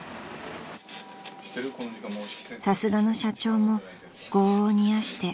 ［さすがの社長も業を煮やして］